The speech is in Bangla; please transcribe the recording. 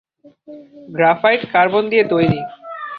গ্রাফাইট কার্বন দিয়ে তৈরি।